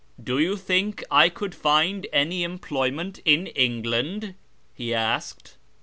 "Do you think I could find any employment in England?" he asked.